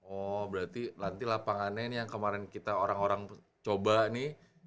oh berarti nanti lapangannya ini yang kemarin kita orang orang coba nih